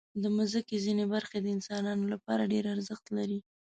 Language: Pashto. د مځکې ځینې برخې د انسانانو لپاره ډېر ارزښت لري.